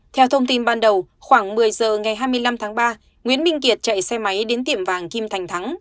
theo thông tin ban đầu khoảng một mươi giờ ngày hai mươi năm tháng ba nguyễn minh kiệt chạy xe máy đến tiệm vàng kim thành thắng